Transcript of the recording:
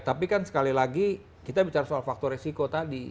tapi kan sekali lagi kita bicara soal faktor resiko tadi